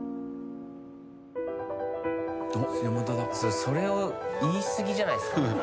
それは言いすぎじゃないですか。